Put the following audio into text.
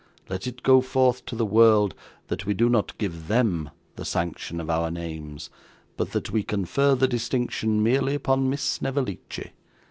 Let it go forth to the world, that we do not give THEM the sanction of our names, but that we confer the distinction merely upon Miss Snevellicci.